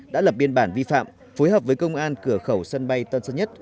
đã lập biên bản vi phạm phối hợp với công an cửa khẩu sân bay tân sơn nhất